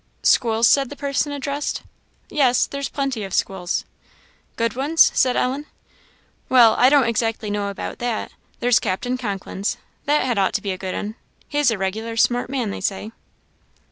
"Schools?" said the person addressed; "yes there's plenty of schools." "Good ones?" said Ellen. "Well, I don't exactly know about that; there's Captain Conklin's, that had ought to be a good 'un; he's a regular smart man, they say."